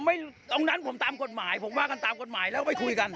ตรงนั้นผมตามกฎหมายผมว่ากันตามกฎหมายแล้วไปคุยกัน